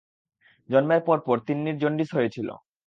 জন্মের পরপর তিন্নির জন্ডিস হয়েছিল।